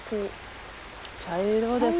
茶色ですね。